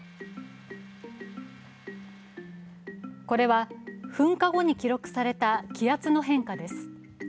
これは、噴火後に記録された気圧の変化です。